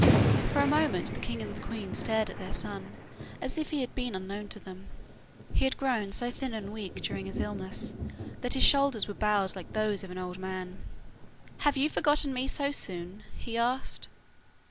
For a moment the king and queen stared at their son, as if he had been unknown to them; he had grown so thin and weak during his illness that his shoulders were bowed like those of an old man. 'Have you forgotten me so soon?' he asked.